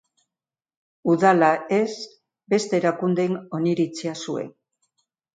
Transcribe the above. Udala ez beste erakundeen oniritzia zuen.